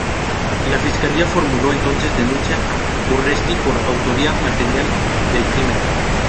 La fiscalía formuló entonces denuncia a Urresti por autoría material del crimen.